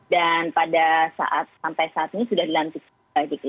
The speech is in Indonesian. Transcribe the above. pada saat sampai saat ini sudah dilantik